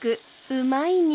うまいか？